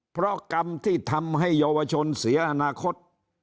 เพราะกรรมที่ทำให้เยาวชนเสียอนาคต